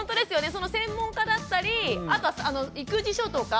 その専門家だったりあとは育児書とか。